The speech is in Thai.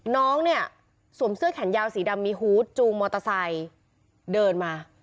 น้องเนี่ยสวมเสื้อแขนยาวสีดำมีฮูตจูงมอเตอร์ไซค์เดินมา